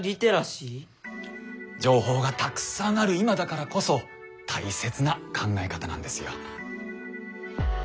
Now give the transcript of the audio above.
情報がたくさんある今だからこそ大切な考え方なんですよ。